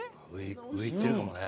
上行ってるかもね。